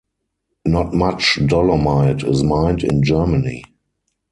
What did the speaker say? Not much dolomite is mined in Germany.